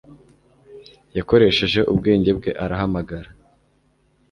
yakoresheje ubwenge bwe arahamagara